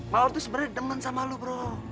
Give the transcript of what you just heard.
mawar tuh sebenernya demen sama lo bro